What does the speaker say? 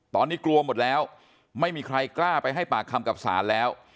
ตอนนี้กลัวหมดแล้วไม่มีใครกล้าไปให้ปากคำกับศาลแล้ว